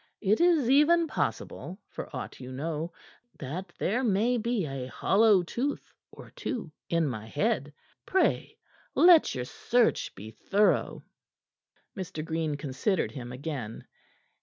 It is even possible, for aught you know, that there may be a hollow tooth or two in my head. Pray let your search be thorough." Mr. Green considered him again.